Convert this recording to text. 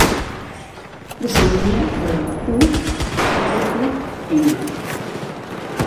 Descendia de la UWM.